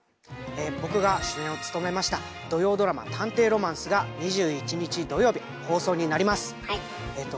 僕が主演を務めました土曜ドラマ「探偵ロマンス」が２１日土曜日放送になります。